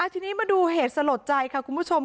ทีนี้มาดูเหตุสลดใจค่ะคุณผู้ชม